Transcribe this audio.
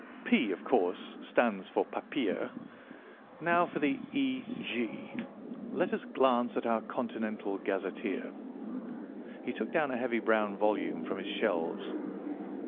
'P,' of course, stands for 'Papier.' Now for the 'Eg.' Let us glance at our Continental Gazetteer." He took down a heavy brown volume from his shelves.